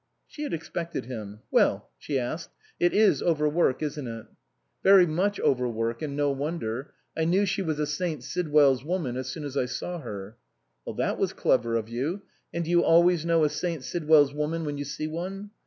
She had expected him. "Well," she asked, "it is overwork, isn't it?" " Very much overwork ; and no wonder. I knew she was a St. Sidwell's woman as soon as I saw her." " That was clever of you. And do you always know a St. Sidwell's woman when you see one?"